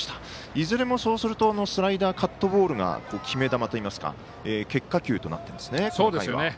いずれもそうするとスライダー、カットボールが決め球といいますか結果球となっていますね。